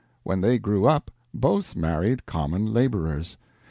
When they grew up, both married common laborers.